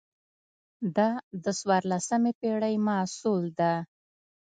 دا د څوارلسمې پېړۍ محصول ده.